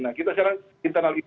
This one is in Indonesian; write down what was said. nah kita sekarang internal itu